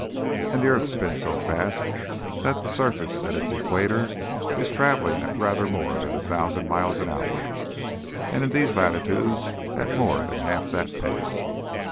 And the earth spins so fast that the surface at its equator is travelling at rather more than a thousand miles an hour, and in these latitudes at more than half that pace.